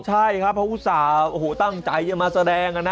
ใช่ครับเพราะอุตส่าห์โอ้โหตั้งใจจะมาแสดง